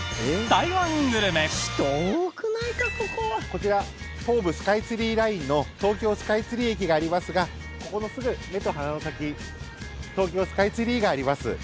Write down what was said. こちら東武スカイツリーラインのとうきょうスカイツリー駅がありますがここのすぐ目と鼻の先東京スカイツリーがあります。